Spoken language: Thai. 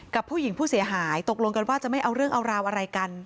กับผู้หญิงผู้เสียหายตกลงกันว่าจะไม่เอาเรื่องเอาราวอะไรกัน